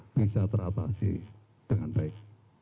bisa teratasi dengan baik